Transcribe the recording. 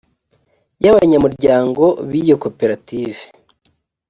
y abanyamuryango b iyo koperative